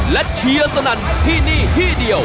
และเชียร์สนั่นที่นี่ที่เดียว